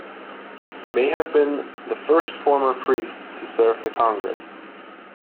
He may have been the first former priest to serve in Congress.